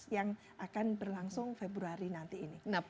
yang akan berlangsung februari nanti ini